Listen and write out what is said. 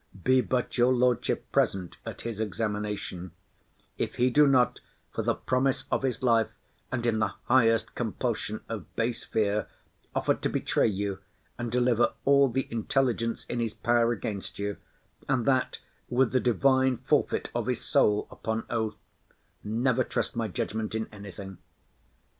Be but your lordship present at his examination; if he do not for the promise of his life, and in the highest compulsion of base fear, offer to betray you, and deliver all the intelligence in his power against you, and that with the divine forfeit of his soul upon oath, never trust my judgment in anything.